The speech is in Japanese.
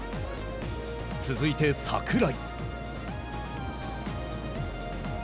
続いて櫻井。